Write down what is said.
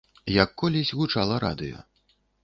Як колісь гучала радыё.